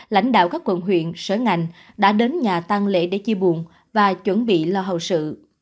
lãnh đạo các quận huyện sở ngành đã đến nhà tăng lễ để chia buồn và chuẩn bị lo hậu sự